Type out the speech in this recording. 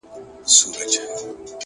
د زړه سکون له پاک فکر راځي.!